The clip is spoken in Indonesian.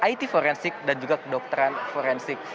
it forensik dan juga kedokteran forensik